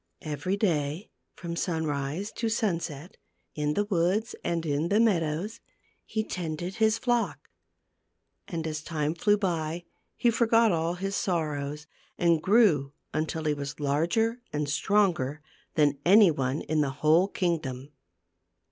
Every day, from sunrise to sunset, in J the woods and jf in the meadows, he tended his flock. And as time ^( flew by he forgot all his 1 sorrows, and grew until he was larger and stronger than le in the whole kingdom.